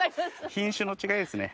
品種の違いですね。